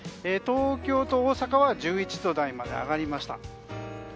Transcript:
東京と大阪は１１度台まで上がりました。